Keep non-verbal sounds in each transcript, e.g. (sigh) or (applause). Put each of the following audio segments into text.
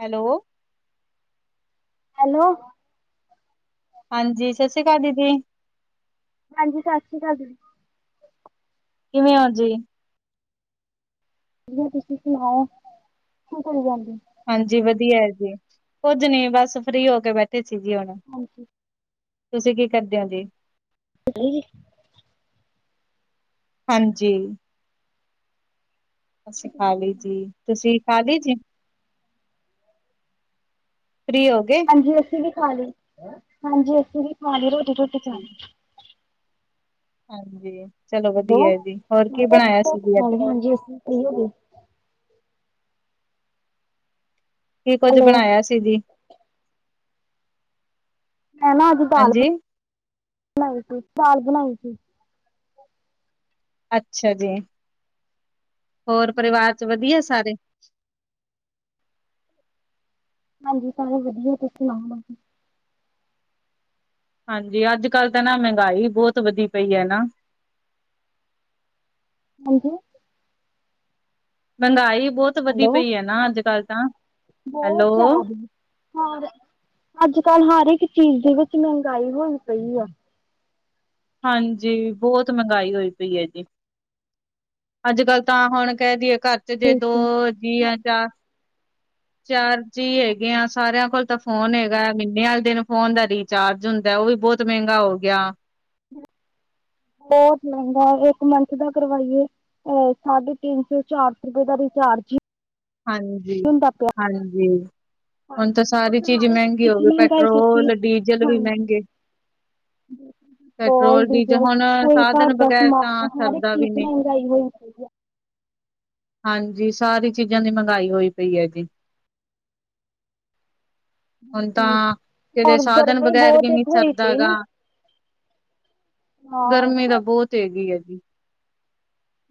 Hello? Hello. ਹਾਂਜੀ ਸਤਿ ਸ੍ਰੀ ਅਕਾਲ ਦੀਦੀ। ਹਾਂਜੀ ਸਤਿ ਸ਼੍ਰੀ ਅਕਾਲ ਦੀਦੀ। ਕਿਵੇਂ ਹੋ ਜੀ? ਜੀ ਤੁਸੀਂ ਸੁਣਾਓ, ਕੀ ਕਰੀ ਜਾਂਦੀ ਹਾਂਜੀ ਵਧੀਆ ਹੈ ਜੀ, ਕੁੱਝ ਨੀ ਬਸ ਫ਼ਰੀ ਹੋ ਕੇ ਬੈਠੇ ਸੀ ਜੀ ਹੁਣ। ਹਾਂਜੀ। ਤੁਸੀਂ ਕੀ ਕਰਦੇ ਓ ਜੀ? (unintelligible) ਹਾਂਜੀ। ਅਸੀਂ ਖਾਲੀ ਜੀ, ਤੁਸੀਂ ਖਾਲੀ ਜੀ, ਫ੍ਰੀ ਹੋ ਗਏ? ਹਾਂਜੀ ਅਸੀਂ ਵੀ ਖਾ ਲੀ, ਹਾਂਜੀ ਅਸੀਂ ਵੀ ਖਾ ਲਈ, ਰੋਟੀ-ਰੁਟੀ ਅੱਛਾ, ਖਾ ਲੀ। ਜੀ, ਹਾਂਜੀ, ਚਲੋ ਹੈਲੋ ਵਧੀਆ ਜੀ, ਹੋਰ ਮੈਂ ਕੀ ਕਿਹਾ ਅਸੀਂ ਬਣਾਇਆ ਵੀ ਸੀ ਰੋਟੀ ਜੀ ਖਾ ਅੱਜ। ਲਈ ਹਾਂਜੀ ਅਸੀਂ (unintelligible) ਕੀ ਕੁੱਝ ਹੈਲੋ ਬਣਾਇਆ ਸੀ ਜੀ? ਮੈਂ ਨਾ ਅੱਜ ਦਾਲ ਹਾਂਜੀ, ਬਣਾਈ ਸੀ, ਦਾਲ ਬਣਾਈ ਸੀ। ਅੱਛਾ ਜੀ, ਹੋਰ ਪਰਿਵਾਰ ਹਾਂਜੀ ਚ ਵਧੀਆ ਸਾਰੇ। ਹਾਂਜੀ ਸਾਰੇ ਵਧੀਆ, ਤਸੀ ਸੁਣਾਓ ਹਾਂਜੀ ਅੱਜ ਕੱਲ ਤਾਂ ਨਾ ਮਹਿੰਗਾਈ ਬਹੁਤ ਵਧੀ ਪਈ ਐ ਨਾ। ਹਾਂਜੀ। ਮਹਿੰਗਾਈ ਬਹੁਤ ਵਧੀ ਹੈਲੋ ਪਈ ਐ ਨਾ ਅੱਜ ਕੱਲ ਤਾਂ ਬਹੁਤ ਹੈਲੋ, ਜ਼ਿਆਦੀ। ਹੋਰ ਅੱਜ ਕੱਲ ਹਰ ਇੱਕ ਚੀਜ਼ ਦੇ ਵਿੱਚ ਮਹਿੰਗਾਈ ਹੋਈ ਪਈ ਆ। ਹਾਂਜੀ ਬਹੁਤ ਮਹਿੰਗਾਈ ਹੋਈ ਪਈ ਐ ਜੀ। ਅੱਜ ਕੱਲ ਤਾਂ ਹੁਣ ਕਹਿ ਦਈਏ ਘਰ ਚ ਜੇ ਦੋ ਜੀ ਜਾਂ ਚਾਰ ਜੀ ਹੈਗੇ ਆ ਸਾਰਿਆਂ ਕੋਲ ਤਾਂ ਫ ਫੋਨ ਹੈਗਾ ਮਹੀਨੇ ਵਾਲੇ ਦਿਨ ਫੋਨ ਦਾ ਰੀਚਾਰਜ ਹੁੰਦਾ ਐ, ਉਹ ਵੀ ਬਹੁਤ ਮਹਿੰਗਾ ਹੋ ਗਿਆ। ਬਹੁਤ ਮਹਿੰਗਾ ਇੱਕ ਮੰਥ ਦਾ ਕਰਵਾਈਏ ਅ ਸਾਢੇ ਤਿੰਨ ਸੌ ਚਾਰ ਸੌ ਰੁਪਏ ਦਾ ਰਿਚਾਰਜ ਹੁੰਦਾ ਪਿਆ ਹਾਂਜੀ-ਹਾਂਜੀ। ਹੁਣ ਹਾਂਜੀ ਤਾਂ ਸਾਰੀ ਬਹੁਤ ਚੀਜ਼ ਹਰ ਇੱਕ ਮਹਿੰਗੀ ਦੀ ਹੋਗੀ, ਮਹਿੰਗਾਈ ਕੀਤੀ ਪੈਟਰੋਲ ਡੀਜ਼ਲ ਵੀ ਹਾਂਜੀ ਮਹਿੰਗੇ। (unintelligible) ਪੈਟਰੋਲ ਡੀਜ਼ਲ ਹੁਣ ਕੋਈ ਘਰ ਸਾਧਨ ਦਾ ਬਗੈਰ ਸਮਾਨ ਤਾਂ ਹਰ ਇੱਕ ਸਰਦਾ ਚੀਜ਼ ਵੀ ਚ ਨਹੀਂ ਮਹਿੰਗਾਈ ਹੋਈ ਪਈ ਐ। ਹਾਂਜੀ ਸਾਰੀ ਚੀਜ਼ਾਂ ਦੀ ਮਹਿੰਗਾਈ ਹੋਈ ਪਈ ਹੈ ਜੀ। ਹੁਣ ਤਾਂ ਬਿਲਕੁਲ, ਕਿਤੇ ਹੋਰ ਸਾਧਨ ਗਰਮੀ ਬਗੈਰ ਬਹੁਤ ਵੀ ਨਹੀਂ ਦੇਖੋ ਹੋਈ ਸਰਦਾ ਪਈ ਗਾ ਨਾ ਹਾਂ। ਤੇਵੀ ਓਵੀ।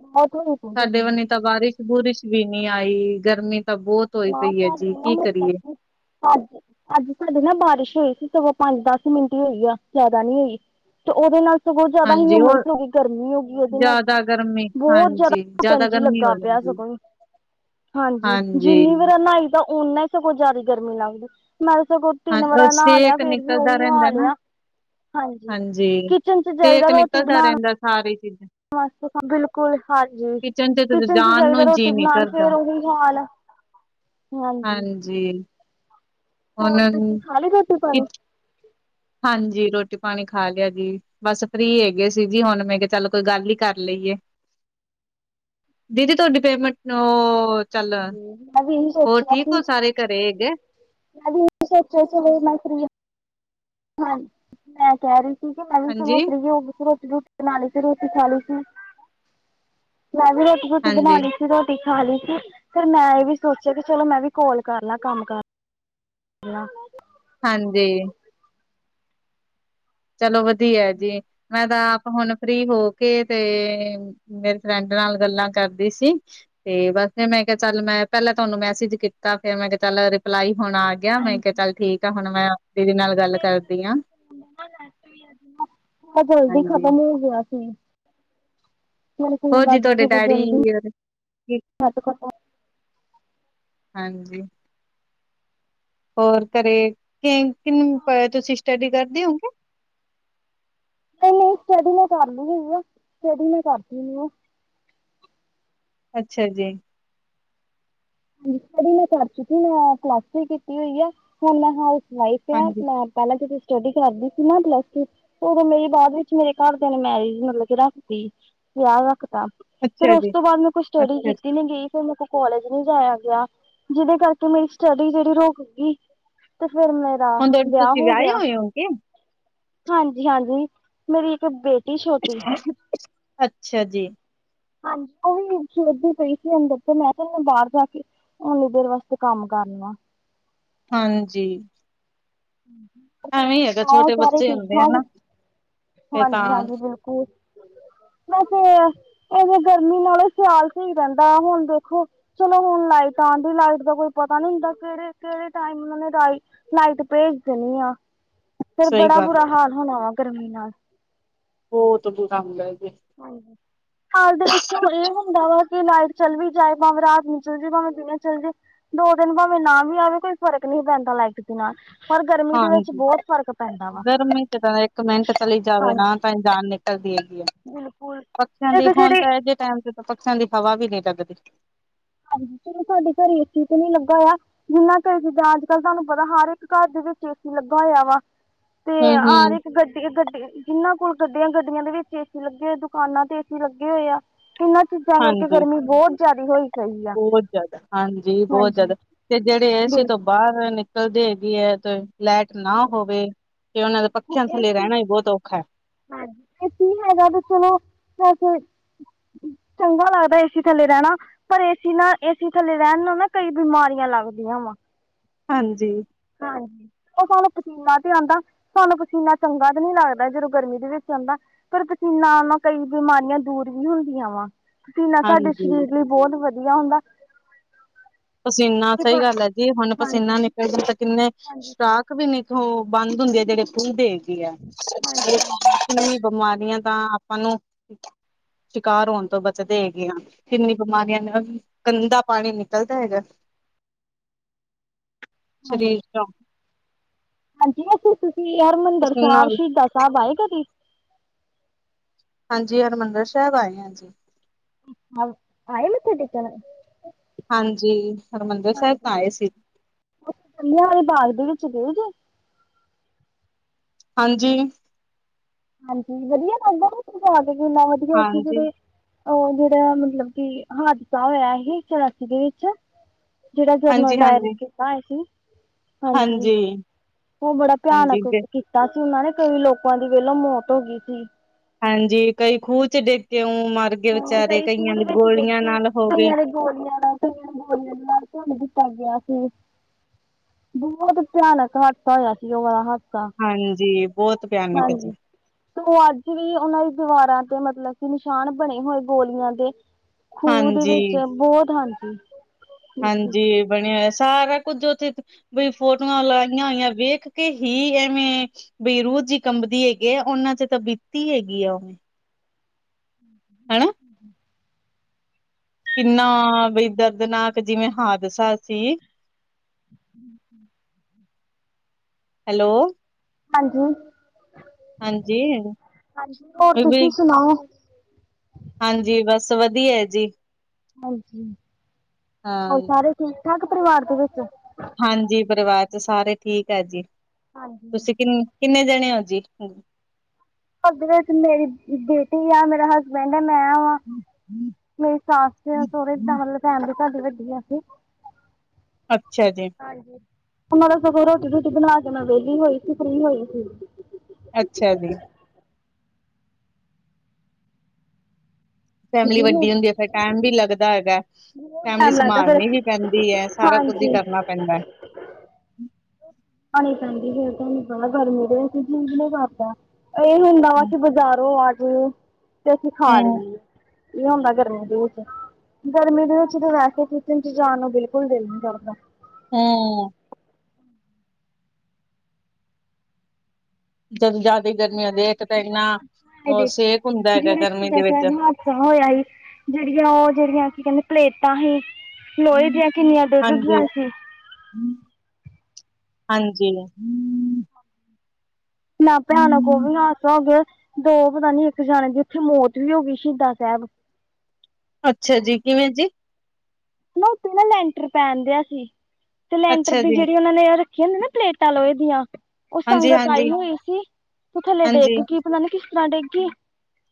(unintelligible) ਸਾਡੇ ਵੰਨੀ ਤਾਂ ਬਾਰਿਸ਼ ਬੁਰਿਸ਼ ਵੀ ਨੀਂ ਆਈ, ਗਰਮੀ ਤਾਂ ਬਹੁਤ ਧੋਈ ਨਾ ਪਈ ਐ ਜੀ, ਸਾਡੇ ਨਾ ਕੀ ਮਤਲਬ ਕਰੀਏ। ਕਿ ਅੱਜ, ਅੱਜ ਸਾਡੇ ਨਾ ਬਾਰਿਸ਼ ਹੋਈ ਸੀ, ਸਗੋਂ ਪੰਜ ਦਸ ਮਿੰਟ ਹੀ ਹੋਈ ਆ ਜਿਆਦਾ ਨੀ ਹੋਈ। ਤੇ ਉਹਦੇ ਨਾਲ ਸਗੋਂ ਜਿਆਦਾ ਹਾਂਜੀ, ਹਿਊਮਸ ਉਹ ਹੋ ਗਈ ਗਰਮੀ ਹੋ ਗਈ ਉਹਦੇ ਨਾਲ, ਜ਼ਿਆਦਾ ਗਰਮੀ ਬਹੁਤ ਜਿਆਦਾ ਹਾਂਜੀ, ਘੁਟਨ ਜ਼ਿਆਦਾ ਜੀ ਗਰਮੀ ਲੱਗਾ ਹੋ ਪਿਆ ਜਾਂਦੀ। ਸਗੋਂ ਈ। ਹਾਂਜੀ ਜਿੰਨੀ ਵਾਰ ਨਾਈ ਤਾਂ ਓਨਾ ਈ ਸਗੋਂ ਜ਼ਿਆਦਾ ਗਰਮੀ ਲੱਗਦੀ ਮੈਂ ਸਗੋਂ ਹਾਂ ਤਿੰਨ ਉਹ ਵਰਾਂ ਨਹਾ ਲਿਆ ਸੇਕ ਫੇਰ ਵੀ ਨਿਕਲਦਾ ਉਹੀ ਰਹਿੰਦਾ ਹਾਲ ਨਾ, ਐ। ਹਾਂਜੀ, ਕਿਚਨ ਚ ਜਾਾਹੀਦਾ ਰੋਟੀ ਬਣਾਣ ਸਾਰੇ ਈ ਚੀਜ਼ਾਂ (unintelligible) ਬਿਲ ਸਕੂਲ ਹਾਂਜੀ, ਤੇ ਕਿਚਨ ਚ ਜਾਣ ਚਾਹੀਦਾ ਨੂੰ ਰੋਟੀ ਜੀਅ ਨੀ ਬਣਾਣ ਕਰਦਾ, ਫੇਰ ਉਹੀ ਹਾਲ ਹਾਂਜੀ। ਜੀ। ਹੋਰ ਤੁਸੀਂ ਖਾਲੀ ਕਿ ਰੋਟੀ-ਪਾਣੀ? ਹਾਂਜੀ ਰੋਟੀ-ਪਾਣੀ ਖਾ ਲਿਆ ਜੀ। ਬਸ ਫ੍ਰੀ ਹੈਗੇ ਸੀ ਜੀ ਹੁਣ ਮੈਂ ਕਿਹਾ ਚੱਲ ਕੋਈ ਗੱਲ ਈ ਕਰ ਲਈਏ। (inaudible) ਦੀਦੀ ਤੁਹਾਡੀ ਪੇਮੈਂਟ ਨੂੰ ਅਸੀ ਵੀ ਸੋਚਿਆ ਸੀ, ਸਾਰੇ ਘਰੇ ਹੈਗੇ? ਮੈਂ ਵੀ (inaudible) ਹਾਂਜੀ ਮੈਂ ਕਹਿ ਰੀ ਸੀ ਕਿ ਮੈਂ ਵੀ ਹਾਂਜੀ। ਤੁਹਾਨੂੰ ਫ੍ਰੀ ਹੋਗੀ ਰੋਟੀ ਰਾਟੀ ਬਣਾ ਲਈ ਸੀ ਰੋਟੀ ਖਾ ਲਈ ਸੀ, ਮੈ ਵੀ ਰੋਟੀ ਰੋਟੀ ਬਣਾ ਹਾਂਜੀ ਲਈ ਰੋਟੀ ਖਾ ਲਈ ਸੀ ਫਿਰ ਮੈਂ ਇਹ ਵੀ ਸੋਚਿਆ ਕਿ ਚਲੋ ਮੈਂ ਵੀ ਕੋਲ ਕਰ ਲਾ ਕੰਮ ਕਰ ਨੀ ਆ। ਹਾਂਜੀ, ਚਲੋ ਵਧੀਆ ਜੀ ਮੈਂ ਤਾਂ ਆਪ ਹੁਣ ਫ੍ਰੀ ਹੋ ਕੇ ਤੇ ਮੇਰੇ ਫਰੈਂਡ ਨਾਲ ਗੱਲਾਂ ਕਰਦੀ ਸੀ ਤੇ ਬਸ ਮੈਂ ਕਿਹਾ ਚੱਲ ਮੈਂ ਪਹਿਲਾਂ ਤੁਹਾਨੂੰ ਮੈਸੇਜ ਕੀਤਾ ਫੇਰ ਮੈਂ ਕਿਹਾ ਚੱਲ ਰਿਪਲਾਈ ਹੁਣਾ ਆ ਮੈਂ ਕਿਹਾ ਚੱਲ ਠੀਕ ਆ ਹੁਣ ਮੈਂ ਦੀਦੀ ਨਾਲ ਗੱਲ ਕਰਦੀ ਆ। ਬ ਜਲਦੀ ਹਾਂਜੀ ਖਤਮ ਹੋ ਗਿਆ ਸੀ ਮੇਰੇ ਫੋਨ ਹੋਰ ਦਾ ਜੀ ਅੱਜ ਤੁਹਾਡੇ ਸਗੋਂ ਡੈਡੀ ਜਲਦੀ ਨੈੱਟ ਖਤਮ ਹਾਂਜੀ ਹੋਰ ਘਰੇ ਕਿ ਕਿੰਨ ਤੁਸੀਂ ਸਟੱਡੀ ਕਰਦੇ ਔ ਕੇ? ਸਟੇਡੀ ਮੈਂ ਕਰਲੀ ਹਗੀ ਆ, ਸਟੇਡੀ ਮੈਂ ਕਰਦੀ ਨੀ ਆ ਅੱਛਾ ਜੀ ਹਾਂ ਸਟਡੀ ਮੈਂ ਕਰ ਚੁੱਕੀ ਮੈਂ ਕਲਾਸਿਸ ਕੀਤੀ ਹੋਈ ਆ ਹੁਣ ਮੈਂ ਹਾਊਸ ਵਾਈਫ਼ ਆ ਹਾਂਜੀ ਮੈਂ ਪਹਿਲਾਂ ਤੁਸੀ ਸਟੱਡੀ ਕਰਦੀ ਸੀ ਨਾ ਪਲੱਸ ਚ ਉਦੋਂ ਮੇਰੀ ਬਾਅਦ ਵਿੱਚ ਮੇਰੇ ਘਰਦਿਆਂ ਨੇ ਮੈਰਿਜ ਮਤਲਬ ਕਿ ਰੱਖਦੀ ਵਿਆਹ ਰੱਖਤਾ ਫੇਰ ਅੱਛਾ ਉਸ ਜੀ ਤੋਂ ਬਾਅਦ ਮੈਂ ਕੋਈ ਸਟੱਡੀ ਅੱਛਾ ਜੀ ਕੀਤੀ ਨੀ ਗੀ ਫੇਰ ਮੈਂ ਕੋਈ ਕੋਲਜ ਨੀ ਜਾਇਆ ਗਿਆ, ਜਿਹਦੇ ਕਰਕੇ ਮੇਰੀ ਸਟੱਡੀ ਜਿਹੜੀ ਰੁਕ ਗਈ ਤੇ ਫੇਰ ਮੈਂ ਦਾ ਹੁਣ ਤੁਹਾਡੇ ਵਿਆਹ ਤੁਸੀਂ ਹੋ ਵਿਆਹੇ ਗਿਆ ਹੋਏ ਹੋਗੇ ਹਾਂਜੀ ਹਾਂਜੀ, ਮੇਰੀ ਇੱਕ ਬੇਟੀ ਛੋਟੀ ਅੱਛਾ ਜੀ ਹਾਂਜੀ ਉਹ ਵੀ ਸੋਚਦੀ ਪਈ ਸੀ ਅੰਦਰ ਤੇ ਮੈਂ ਕਿਹਾ ਬਾਰ ਜਾ ਕੇ ਓਨੀ ਦੇਰ ਵਾਸਤੇ ਕੰਮ ਕਰਨਾ ਹਾਂਜੀ ਤੁਸੀਂ ਐਵੇਂ ਹੀ ਹੈਗਾ ਸੁਣਾਓ ਛੋਟੇ ਸਾਰੇ ਬੱਚੇ ਠੀਕ ਹੁੰਦੇ ਆ ਨਾ ਠਾਕ? ਫੇਰ ਤਾਂ ਹਾਂਜੀ ਹਾਂਜੀ ਬਿਲਕੁਲ ਵੈਸੇ ਗਰਮੀ ਨਾਲੋਂ ਸਿਆਲ ਸਹੀ ਰਹਿੰਦਾ ਹੁਣ ਦੇਖੋ ਚਲੋ ਹੁਣ ਲਾਈਟ ਆਦੀ ਲਾਈਟ ਦਾ ਕੋਈ ਪਤਾ ਨੀ ਹੁੰਦਾ ਕਿਹੜੇ ਕਿਹੜੇ ਟਾਈਮ ਉਹਨਾਂ ਨੇ ਲ ਲਾਈਟ ਭੇਜ ਦੇਨੀ ਆ ਫੇਰ ਸਹੀ ਬੜਾ ਗੱਲ ਹੈ ਬੁਰਾ ਹਾਲ ਹੋਣਾ ਵਾ ਗਰਮੀ ਨਾਲ। ਬੋਤ ਬੁਰਾ ਹੁੰਦਾ ਐ ਜੀ। ਹਾਂਜੀ। ਹਾਲ ਦੇ ਵਿੱਚੋਂ ਏ ਹੁੰਦਾ ਵਾ ਕਿ ਲਾਈਟ ਚੱਲ ਵੀ ਜਾਏ, ਭਾਵੇਂ ਰਾਤ ਨੂੰ ਚੱਲ ਜੇ, ਭਾਵੇਂ ਦਿਨ ਚੱਲ ਜੇ ਦੋ ਦਿਨ ਭਾਵੇਂ ਨਾ ਵੀ ਆਵੇ ਕੋਈ ਫ਼ਰਕ ਨੀ ਪੈਂਦਾ ਲਾਈਟ ਬਿਨਾ। ਹਾਂਜੀ ਗਰਮੀ 'ਚ ਤਾਂ ਇੱਕ ਮਿੰਟ ਚਲੀ ਜਾਵੇ ਨਾ ਹਾਂਜੀ ਤਾਂ ਜਾਨ ਨਿਕਲਦੀ ਹੈਗੀ ਐ, ਬਿਲਕੁਲ ਪੱਖੇਆਂ ਦੀ ਇੱਕ ਹੁਨ ਜਿਹੜੀ ਤਾਂ ਇਹ ਜੇ ਟਾਈਮ ਤੇ ਪੱਖੇਆਂ ਦੀ ਹਵਾ ਵੀ ਨੀ ਲੱਗਦੀ। ਹਾਂਜੀ ਚੱਲੋ ਤੁਆਡੇ ਘਰ ਏਸੀ ਤੇ ਨੀ ਲੱਗਾ ਆ ਜਿੰਨਾ ਕ ਜਿੱਦਾਂ ਅੱਜ-ਕੱਲ ਤੁਆਨੂੰ ਪਤਾ ਹਰ ਇੱਕ ਘਰ ਦੇ ਵਿੱਚ ਏ ਸੀ ਲੱਗਾ ਹੋਏਆ ਵਾ। ਤੇ ਆਰ ਹੂੰ-ਹੂੰ, ਇੱਕ ਗੱਡੀ, ਗੱਡੀ ਇਨਾਂ ਕੋਲ ਗੱਡੀਆਂ, ਗੱਡੀਆਂ ਦੇ ਵਿੱਚ ਏ ਸੀ ਲੱਗੇ ਹੋਏ, ਦੁਕਾਨਾਂ ਤੇ ਏ ਸੀ ਲੱਗੇ ਹੋਏ ਆ। ਇਨਾਂ ਚੀਜ਼ਾਂ ਕਰਕੇ ਗਰਮੀ ਬੋਤ ਜ਼ਿਆਦੇ ਹੋਈ ਪਈ ਆ ਬੋਤ ਜਾਦਾ, ਹਾਂਜੀ ਬੋਤ ਜਾਦਾ ਤੇ ਜੇੜੇ ਏ ਸੀ ਤੋਂ ਬਾਰ ਨਿਕਲਦੇ ਵੀ ਹੈ ਤੇ ਲੈਟ ਨਾ ਹੋਵੇ ਤੇ ਓਨਾਂ ਦੇ ਪੱਖੇਆਂ ਥੱਲੇ ਰੈਣਾ ਹੀ ਬੋਤ ਔਖਾ ਐ। ਹਾਂਜੀ ਐ ਕੀ ਹੈਗਾ ਤੇ ਚੱਲੋ (unintelligible) ਚੰਗਾ ਲੱਗਦਾ ਏਸੀ ਥੱਲੇ ਰੈਣਾ। ਪਰ ਏਸੀ ਨਾ, ਏਸੀ ਥੱਲੇ ਰੈਨ ਨਾਲ ਨਾ ਕਈ ਬਿਮਾਰੀਆਂ ਲੱਗਦੀਆਂ ਵਾ। ਹਾਂਜੀ। ਹਾਂਜੀ। ਓ ਸਾਨੂੰ ਪਸੀਨਾ ਤੇ ਆਂਦਾ, ਸਾਨੂੰ ਪਸੀਨਾ ਚੰਗਾ ਤਾਂ ਨੀ ਲੱਗਦਾ ਜਦੋਂ ਗਰਮੀ ਦੇ ਵਿੱਚ ਆਂਦਾ। ਪਰ ਪਸੀਨਾ ਆਨ ਨਾ ਕਈ ਬਿਮਾਰੀਆਂ ਦੂਰ ਵੀ ਹੁੰਦੀਆਂ ਵਾ। ਪਸੀਨਾ ਸਾਡੇ ਹਾਂਜੀ-ਹਾਂਜੀ। ਸਰੀਰ ਲਈ ਬੋਤ ਵਧੀਆ ਹੁੰਦਾ। ਪਸੀਨਾ ਕਿ ਸਈ ਗੱਲ ਐ ਜੀ ਹੁਨ ਪਸੀਨਾ ਨਿਕਲਦਾ ਤੇ ਕਿੰਨੇ ਸ਼ਟਾਕ ਵੀ ਨੀ (unintelligible) ਬੰਦ ਹੁੰਦੀ ਆ ਜੇੜੇ (unintelligible) (unintelligible) ਬਿਮਾਰੀਆਂ ਤਾਂ ਆਪਾਂ ਨੂੰ ਸ਼ਿਕਾਰ ਹੋਨ ਤੋਂ ਬਚਦੇ ਹੈਗੇ‌ ਆਂ, ਕਿੰਨੀ ਬਿਮਾਰੀਆਂ ਨੇ ਗੰਦਾ ਪਾਣੀ ਨਿਕ ਦਾ ਹੈਗਾ ਸਰੀਰ ਚੋਂ। ਹਾਂਜੀ ਅਸੀਂ ਤੁਸੀਂ ਹਰਮੰਦਰ ਪਸੀਨਾ ਸਾਬ, ਵੀ ਸ਼ਹੀਦਾਂ ਸਾਬ ਆਏ ਕਦੀ? ਹਾਂਜੀ ਹਰਮੰਦਰ ਸਾਹੇਬ ਆਏ ਆਂ ਜੀ। (unintelligible) ਆਏ ਮੱਥਾ ਟੇਕਨ? ਹਾਂਜੀ ਹਰਮੰਦਰ ਸਾਹੇਬ ਤਾਂ ਆਏ ਸੀ। ਓ ਜਲਿਆਂ ਵਾਲੇ ਬਾਗ ਦੇ ਵਿੱਚ ਗਏ ਜੇ? ਹਾਂਜੀ। ਹਾਂਜੀ ਵਧੀਆ ਲੱਗਦਾ ਨਾ ਓਥੇ ਜਾਕੇ ਕਿਨਾ ਵਧੀਆ ਉੱਥੇ ਹਾਂਜੀ ਜਿਵੇਂ ਓ ਜੇੜਾ ਮਤਲਬ ਕਿ ਹਾਦਸਾ ਹੋਏਆ ਹੀ ਚੁਰਾਸੀ ਦੇ ਵਿੱਚ। ਜੇੜਾ ਕਿ ਜਨਰਲ ਹਾਂਜੀ ਡਾਇਰ ਹਾਂਜੀ ਕੀਤਾ ਹੋਏਆ ਸੀ। ਹਾਂਜੀ ਓ ਬੜਾ ਭਿਆਨਕ ਹਾਂਜੀ ਕੀਤ ਤਾਂਕਿ ਉਨਾਂ ਨੇ ਕਈ ਲੋਕਾਂ ਦੀ ਵੇਲੋਂ ਮੌਤ ਹੋ ਗੀ ਸੀ। ਹਾਂਜੀ ਕਈ ਖੂਹ 'ਚ ਡਿੱਗ ਕੇ ਉ ਮਰ ਗਏ ਹਾਂ ਵਿਚਾਰੇ, ਕਈ ਖੂਹ ਕਈਆਂ ਦੇ ਦੀ ਵਿੱਚ ਡਿੱਗ ਗੋਲੀਆਂ ਕੇ ਨਾਲ ਹੋ ਗਈ। ਕਈਆਂ ਦੇ ਗੋਲੀਆਂ ਨਾਲ, (unintelligible) ਗੋਲੀਆਂ ਦੇ ਨਾਲ ਭੁਨ ਦਿੱਤਾ ਗਯਾ ਸੀ। ਬੋਹਤ ਭਿਆਨਕ ਹਾਦਸਾ ਹੋਏਆ ਸੀ ਓ ਵਾਲਾ ਹਾਦ ਹਾਂਜੀ ਬੋਤ ਭਿਆਨਕ ਜੀ। ਤੇ ਓ ਅੱਜ ਵੀ ਓਨਾਂ ਈ ਦੀਵਾਰਾਂ ਤੇ ਮਤਲਬ ਕਿ ਨਿਸ਼ਾਨ ਬਣੇ ਹੋਏ ਗੋਲੀਆਂ ਦੇ। ਖੂਹ ਦੇ ਹਾਂਜੀ, ਵਿੱਚ ਬਹੁਤ ਹਾਂਜੀ ਠੀਕ ਹਾਂਜੀ ਬਣਿਆ ਹੋਇਆ ਸਾਰਾ ਕੁੱਝ ਉੱਥੇ ਬਈ ਫੋਟੋਆਂ ਲਾਈਆਂ ਹੋਈਆਂ ਵੇਖਕੇ ਹੀ ਐਵੇਂ ਬਈ‌ ਰੂਹ ਜੀ ਕੰਬਦੀ ਹੈਗੀ ਏ, ਉਹਨਾਂ'ਚ ਤਾ ਬੀਤੀ ਹੈਗੀ ਆ ਉਹ। ਹਣਾ। ਕਿੰਨਾ, ਬਈ ਦਰਦਨਾਕ ਜਿਵੇਂ ਹਾਦਸਾ ਸੀ। (inaudible) ਹੈਲੋ ਹਾਂਜੀ, ਹਾਂਜੀ। ਹਾਂਜੀ ਹੋਰ ਵੀ ਤੁਸੀਂ ਬਈ ਸੁਣਾਓ? ਹਾਂਜੀ, ਬਸ ਵਧੀਆ ਏ ਜੀ। ਹਾਂਜੀ, ਹਾਂ। ਹੋਰ ਸਾਰੇ ਠੀਕ-ਠਾਕ ਪਰਿਵਾਰ ਦੇ ਵਿੱਚ? ਹਾਂਜੀ, ਪਰਿਵਾਰ'ਚ ਸਾਰੇ ਠੀਕ ਐ ਜੀ ਤੁਸੀਂ ਕਿੰਨ, ਕਿੰਨੇ ਜਣੇ ਓ ਜੀ? ਪਗ ਦੇ ਵਿਚ ਮੇਰੀ ਬੇਟੀ ਆ, ਮੇਰਾ ਹੱਸ ਮਹਿੰਦਾ ਮੈਂ ਆਵਾਂ, ਮੇਰੀ ਸੱਸ-ਸਹੁਰੇ ਤੇ ਜਿਦਾਂ ਮਤਲਬ ਫੈਮਲੀ ਸਾਡੀ ਵੱਡੀ ਆ, ਇੱਥੇ। ਅੱਛਾ ਜੀ। ਹਾਂਜੀ, ਉਹਨਾਂ ਦਾ ਸਗੋਂ ਰੋਟੀ-ਰੂਟੀ ਬਣਾਕੇ ਮੈਂ ਵਿਹਲੀ ਹੋਈ ਸੀ, ਫ਼੍ਰੀ ਹੋਈ ਸੀ। ਅੱਛਾ ਜੀ। ਫੈਮਿਲੀ ਵੱਡੀ ਹੁੰਦੀ ਐ, ਫੇਰ ਟਾਇਮ ਵੀ ਲੱਗਦਾ ਹੈਗਾ। ਫੈਮਿਲੀ ਟਾਈਮ ਲੱਗਦਾ ਫਿਰ ਸੰਭਾਲਣੀ ਵੀ ਪੈਂਦੀ ਐ, ਸਾਰਾ ਖੁੱਦ ਈ ਹਾਂਜੀ ਕਰਨਾ ਪੈਂਦਾ। ਆਣੀ ਪੈਂਦੀ ਫਿਰ ਤੁਹਾਨੂੰ ਗਾਂਹ ਗਰਮੀ ਦੇ ਵਿਚ ਜੀਅ ਨਹੀਂ ਕਰਦਾ। ਇਹ ਹੁੰਦਾ ਵਾ ਹੂੰ ਕੀ ਬਜ਼ਾਰੋਂ ਆਜੋ, ਤੇ ਅਸੀਂ ਖਾ ਹੂੰ ਲਈਏ। ਇਹ ਹੁੰਦਾ ਗਰਮੀਆਂ ਦੇ ਵਿਚ। ਗਰਮੀ ਦੇ ਵਿੱਚ ਤੇ ਵੈਸੇ ਕਿਚਨ'ਚ ਜਾਣ ਨੂੰ ਬਿਲਕੁਲ ਦਿਲ ਨੀ ਕਰਦਾ। ਹੂੰ ਜਦੋ ਜ਼ਿਆਦਾ ਗਰਮੀ ਹੁੰਦੀ ਏ, ਇੱਕ ਤਾਂ ਇੰਨਾ ਉਹ ਇਹਦੇ ਸੇਕ ਹੁੰਦਾ ਚ ਹੈਗਾ ਜਿਹੜਾ ਗਰਮੀ ਸ਼ਹੀਦਾਂ ਦੇ ਵਿੱਚ। ਸਾਹਿਬ ਹਾਦਸਾ ਹੋਇਆ ਹੀ ਜਿਹੜੀਆਂ, ਉਹ ਜਿਹੜੀਆਂ ਕੀ ਕਹਿੰਦੇ ਪਲੇਟਾਂ ਹੀ ਲੋਹੇ ਦੀਆਂ ਕਿੰਨੀਆਂ ਡਿੱਗ ਹਾਂਜੀ ਗਈਆ ਸੀ। ਹਾਂਜੀ। ਨਾ ਭੈਣਾ ਕੋਲ ਵੀ ਹਾਸ ਹੋਗੇ ਦੋ ਪਤਾ ਨੀ, ਇੱਕ ਜਾਣੇ ਦੀ ਉੱਥੇ ਮੌਤ ਵੀ ਹੋਗੀ, ਸ਼ਹੀਦਾ ਸਾਹਿਬ। ਅੱਛਾ ਜੀ, ਕਿਵੇਂ ਜੀ? ਨਾ ਉੱਥੇ ਨਾ ਲੈਂਟਰ ਪੈਣ ਦਿਆ ਸੀ, ਤੇ ਲੈਂਟਰ ਅੱਛਾ ਦੀ ਜੀ ਜਿਹੜੀ ਉਹਨਾਂ ਨੇ ਦੇ ਨਾ ਪਲੇਟਾਂ ਲੋਹੇ ਦੀਆਂ, ਉਹ ਹਾਂਜੀ ਸੰਗਤ ਆਈ ਹਾਂਜੀ ਹੋਈ ਸੀ, ਥੱਲੇ ਡਿਗ ਹਾਂਜੀ ਗਈ ਪਤਾ ਨੀ ਕਿਸ ਤਰ੍ਹਾਂ ਡਿੱਗਗੀ,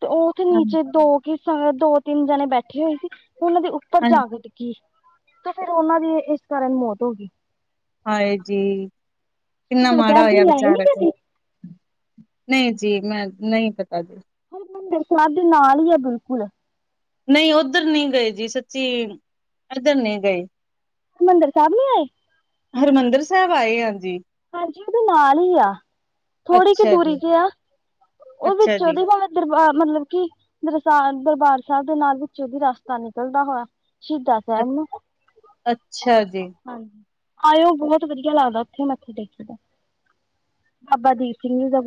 ਤੇ ਉਹ ਉੱਥੇ ਹਾਂ ਨੀਚੇ ਦੋ ਕੇ ਸੰਗਤ ਦੋ-ਤਿੰਨ ਜਣੇ ਬੈਠੇ ਹੋਏ ਸੀ, ਉਹਨਾਂ ਦੇ ਉੱਪਰ ਹਾਂ ਜਾਕੇ ਡਿ ਤੇ ਫੇਰ ਉਹਨਾਂ ਦੀ, ਇਸ ਕਾਰਨ ਮੌਤ ਹੋਗੀ। ਹਾਏ ਜੀ, ਕਿੰਨਾ ਹਰਿਮੰਦਰ ਮਾੜਾ ਸਾਹਿਬ ਹੋਇਆ ਤੁਸੀਂ ਆਏ ਨੀ ਵਿਚਾਰੇ ਤੋ। ਕਦੀ ਨਹੀਂ ਜੀ, ਮੈਂ ਨਹੀਂ ਪਤਾ ਜੇ। ਹਰਿਮੰਦਿਰ ਸਾਹਿਬ ਦੇ ਨਾਲ ਈ ਐ, ਬਿਲਕੁਲ। ਨਹੀਂ ਉੱਧਰ ਨਹੀਂ ਗਏ ਜੀ ਸੱਚੀ, ਓਧਰ ਨਹੀਂ ਗਏ। ਹਰਿਮੰਦਰ ਸਾਹਿਬ ਨੀ ਆਏ? ਹਰਿਮੰਦਰ ਸਾਹਿਬ ਆਏ ਆਂ ਜੀ। ਹਾਂਜੀ ਉਹਦੇ ਨਾਲ ਈ ਆ, ਥੋੜੀ ਕ ਅੱਛਾ ਦੂਰੀ ਜੀ, ਤੇ ਆ ਉਹ ਅੱਛਾ ਵਿੱਚੋ ਜੀ, ਦੀ ਭਾਵੇ ਦਰਬਾ ਮਤਲਬ ਕਿ ਮਤਲਬ ਸਾਂ, ਦਰਬਾਰ ਸਾਹਿਬ ਦੇ ਨਾਲ ਵਿੱਚੋਂ ਦੀ ਰਸਤਾ ਨਿਕਲਦਾ ਵਾ, ਸ਼ਹੀਦਾਂ ਅੱ- ਰਹਿਣ ਨੂੰ, ਅੱਛਾ ਜੀ। ਹਾਂਜੀ। ਆਇਓ ਬਹੁਤ ਵਧੀਆ ਲੱਗਦਾ, ਉੱਥੇ ਮੱਥੇ ਟੇਕ ਤਾਂ, ਬਾਬਾ ਦੀਪ ਸਿੰਘ ਜੀ ਦਾ ਗ।